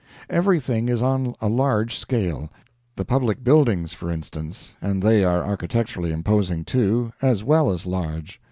Everything is on a large scale; the public buildings, for instance and they are architecturally imposing, too, as well as large.